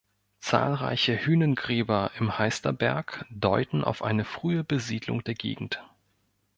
Zahlreiche Hünengräber im Heisterberg deuten auf eine frühe Besiedlung der Gegend.